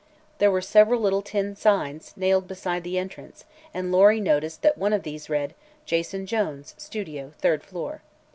There were several little tin signs nailed beside the entrance and Lory noticed that one of these read: "Jason Jones. Studio. 3rd Floor."